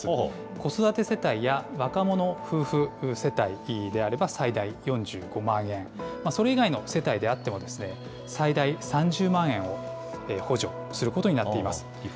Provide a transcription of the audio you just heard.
子育て世帯や若者夫婦世帯であれば、最大４５万円、それ以外の世帯であっても、最大３０万円を補助することになっています。